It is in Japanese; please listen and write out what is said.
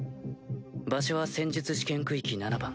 場所は戦術試験区域７番。